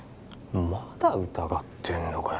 まだ疑ってんのかよ